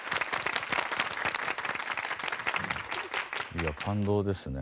いや感動ですね。